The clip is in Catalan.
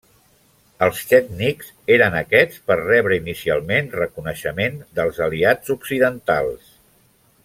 Els Txètniks eren aquests per rebre inicialment reconeixement dels Aliats occidentals.